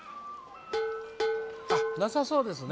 あっなさそうですね。